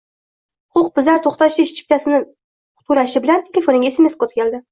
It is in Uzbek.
Huquqbuzar to‘xtash chiptasini to‘lashi bilan telefoniga sms-kod keladi